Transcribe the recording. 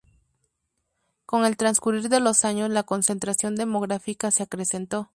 Con el transcurrir de los años, la concentración demográfica se acrecentó.